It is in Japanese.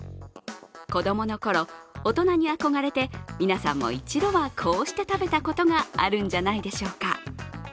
子どもの頃、大人に憧れて皆さんも一度は、こうして食べたことがあるんじゃないでしょうか。